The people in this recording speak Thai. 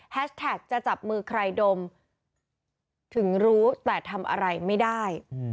แท็กจะจับมือใครดมถึงรู้แต่ทำอะไรไม่ได้